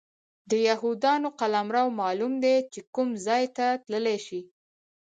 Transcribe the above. د یهودانو قلمرو معلوم دی چې کوم ځای ته تللی شي.